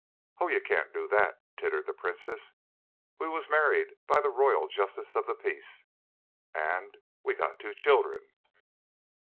"Oh, you can't do that," tittered the princess. "We was married by the Royal Justice of the Peace and we got two children."